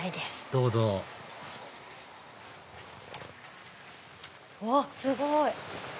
どうぞうわっすごい！